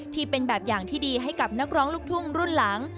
ที่เป็นแบบอย่างที่ดีให้กับนักร้องลูกทุ่งรุ่นหลัง